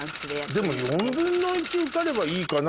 でも４分の１受かればいいかな